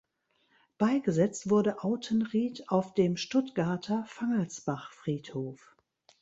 Beigesetzt wurde Autenrieth auf dem Stuttgarter Fangelsbachfriedhof.